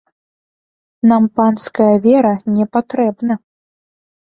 Нам панская вера не патрэбна.